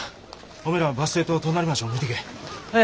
おめえらはバス停と隣町も見てけえ。